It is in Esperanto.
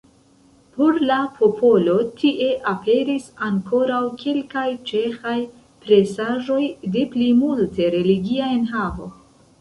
Por la popolo tie aperis ankoraŭ kelkaj ĉeĥaj presaĵoj de plimulte religia enhavo.